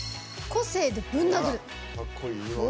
「個性でぶん殴る」。